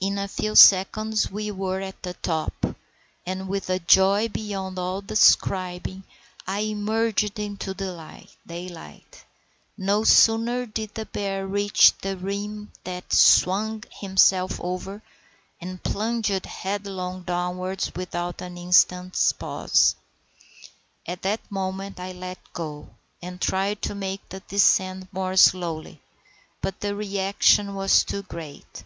In a few seconds we were at the top, and with a joy beyond all describing I emerged into daylight. No sooner did the bear reach the rim than he swung himself over, and plunged headlong downwards without an instant's pause. At that moment I let go, and tried to make the descent more slowly; but the reaction was too great.